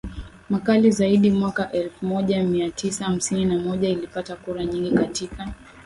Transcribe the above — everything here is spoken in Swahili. makali zaidi Mwaka elfu moja mia tisa hamsini na moja ilipata kura nyingi katika